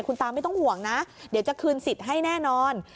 คุณตาไม่ต้องห่วงนะเดี๋ยวจะคืนสิทธิ์ให้แน่นอน